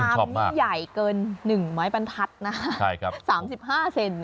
ชามนี้ใหญ่เกิน๑ไม้บันทัศนะครับ๓๕เซ็น